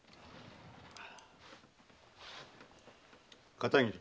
片桐